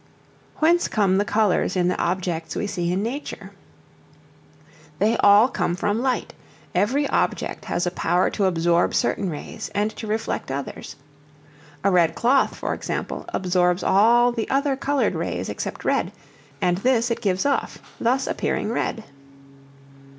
Whence come the colors in the objects we see in nature? They all come from light; every object has a power to absorb certain rays and to reflect others. A red cloth, for example, absorbs all the other colored rays except red, and this it gives off, thus appearing red.